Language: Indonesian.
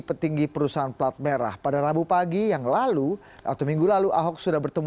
petinggi perusahaan plat merah pada rabu pagi yang lalu atau minggu lalu ahok sudah bertemu